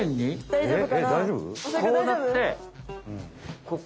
大丈夫？